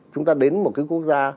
chúng ta đến một cái quốc gia